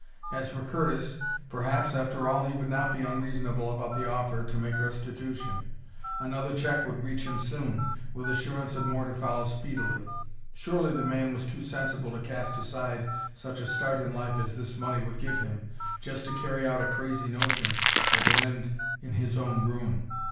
As for Curtis perhaps, after all, he would not be unreasonable about the offer to make restitution. Another check would reach him soon, with assurance of more to follow speedily. Surely the man was too sensible to cast aside such a start in life as this money would give him, just to carry out a crazy notion that would end in his own ruin.